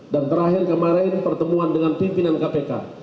dan terakhir kemarin pertemuan dengan pimpinan kpk